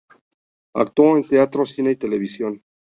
Actuó en teatro, cine y televisión.